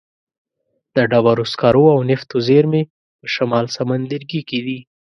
د ډبرو سکرو او نفتو زیرمې په شمال سمندرګي کې دي.